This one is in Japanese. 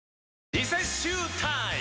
リセッシュータイム！